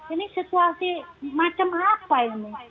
ini situasi macam apa ini